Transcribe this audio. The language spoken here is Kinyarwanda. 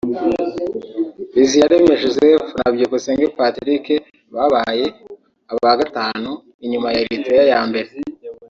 Biziyaremye Joseph na Byukusenge Patrick babaye aba gatanu inyuma ya Eritrea ya mbere